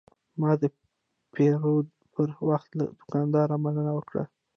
ما د پیرود پر وخت له دوکاندار مننه وکړه.